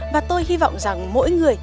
và tôi hy vọng rằng mỗi người